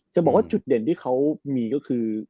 จะบอกว่าจุดเด่นที่เขามีก็คือ